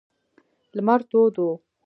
لمر تود و.